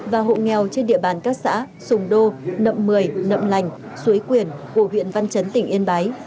và hộ nghèo trên địa bàn các xã sùng đô nậm mười nậm lành suối quyền của huyện văn chấn tỉnh yên bái